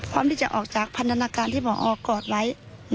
พร้อมที่จะออกจากพันธนาการที่พอกอดไว้